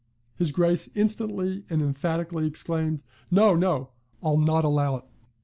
His Grace instantly and emphatically exclaimed, 'No! no! I'll not allow it.